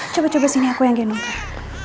coba coba sini aku yang genukir